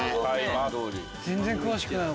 全然詳しくない